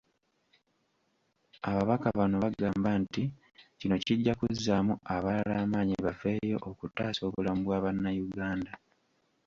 Ababaka bano bagamba nti kino kijja kuzzaamu abalala amaanyi bafeeyo okutaasa obulamu bwa bannayuganda.